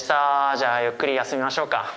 じゃあゆっくり休みましょうか。